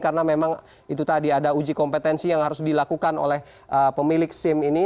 karena memang itu tadi ada uji kompetensi yang harus dilakukan oleh pemilik sim ini